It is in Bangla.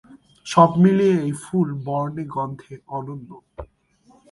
সব মিলিয়ে এই ফুল বর্ণে-গন্ধে অনন্য।